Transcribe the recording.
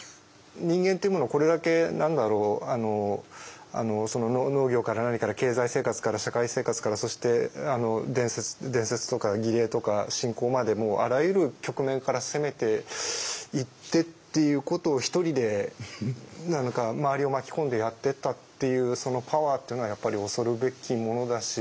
人間っていうものをこれだけ何だろう農業から何から経済生活から社会生活からそして伝説とか儀礼とか信仰までもあらゆる局面から攻めていってっていうことを１人で何か周りを巻き込んでやってったっていうそのパワーっていうのはやっぱり恐るべきものだし。